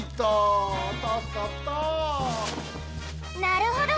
なるほど！